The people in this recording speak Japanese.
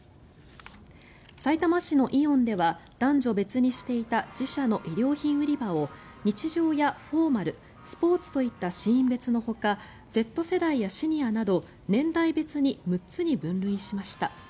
さいたま市のイオンでは男女別にしていた自社の衣料品売り場を日常やフォーマルスポーツといったシーン別のほかＺ世代やシニアなど年代別に６つに分類しました。